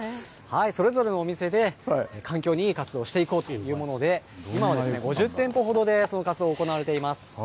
それぞれのお店で環境にいい活動をしていこうというもので、今は５０店舗ほどでその活動、行われています。